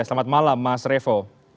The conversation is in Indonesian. selamat malam mas revo